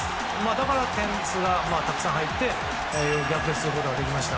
だから点数がたくさん入って逆転することができました。